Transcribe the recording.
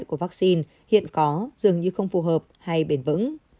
của vaccine hiện có dường như không phù hợp hay bền vững